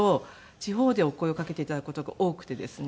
地方でお声をかけて頂く事が多くてですね